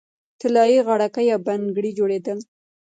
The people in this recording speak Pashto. طلايي غاړکۍ او بنګړي جوړیدل